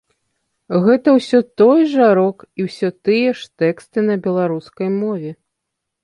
Гэта ўсё той жа рок і усё тыя ж тэксты на беларускай мове.